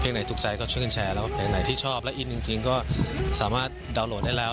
ไหนถูกใจก็ช่วยกันแชร์แล้วไหนที่ชอบและอินจริงก็สามารถดาวน์โหลดได้แล้ว